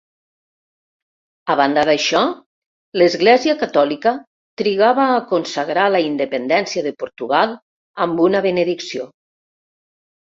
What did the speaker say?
A banda d'això, l'Església Catòlica trigava a consagrar la independència de Portugal amb una benedicció.